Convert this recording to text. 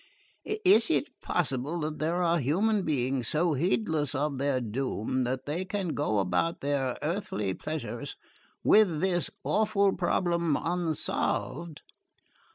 "Is it possible that there are human beings so heedless of their doom that they can go about their earthly pleasures with this awful problem unsolved?